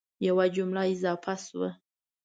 یوه جمله اضافه شوه